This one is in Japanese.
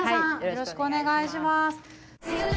よろしくお願いします。